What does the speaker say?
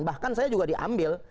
bahkan saya juga diambil